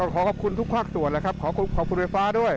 ขอขอบคุณทุกภาคส่วนแล้วครับขอขอบคุณไฟฟ้าด้วย